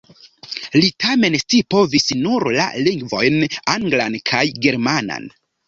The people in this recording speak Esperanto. Li tamen scipovis nur la lingvojn anglan kaj germanan.